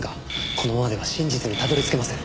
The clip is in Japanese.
このままでは真実にたどり着けません。